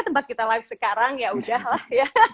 tempat kita live sekarang yaudahlah